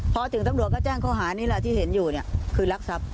พอถึงตำรวจก็แจ้งข้อหานี่แหละที่เห็นอยู่เนี่ยคือรักทรัพย